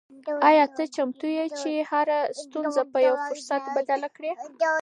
آیا ته چمتو یې چې هره ستونزه په یو فرصت بدله کړې؟